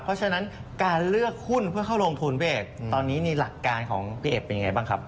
เพราะฉะนั้นการเลือกหุ้นเพื่อเข้าลงทุนพี่เอกตอนนี้นี่หลักการของพี่เอกเป็นยังไงบ้างครับ